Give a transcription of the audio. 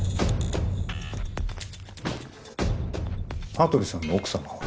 羽鳥さんの奥様は？